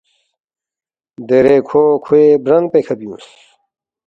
دیرے کھو کھوے برانگ پیکھہ بیُونگس